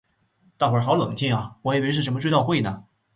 大伙好冷静啊我还以为是什么追悼会呢